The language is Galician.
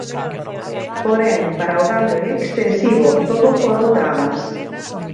Porén, para o gando en extensivo, todo foron trabas.